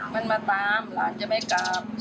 มันมาตามหลานจะไม่กลับ